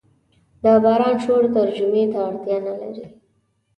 د باران شور ترجمې ته اړتیا نه لري.